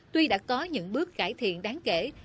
tuy đã có những bước cải thiện đáng kể